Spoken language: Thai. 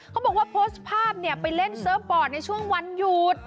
เขาบอกว่าโพสต์ภาพไปเล่นเซิร์ฟบอร์ดในช่วงวันหยุด